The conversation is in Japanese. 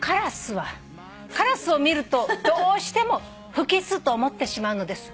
「カラスを見るとどうしても不吉と思ってしまうのです」